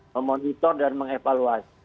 memonitor dan mengevaluasi